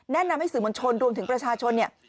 แนะนำให้สื่อมวลชนรวมถึงประชาชนเนี่ย